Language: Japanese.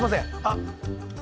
あっ。